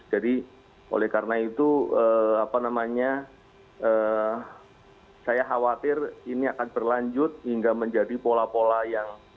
jadi oleh karena itu saya khawatir ini akan berlanjut hingga menjadi pola pola yang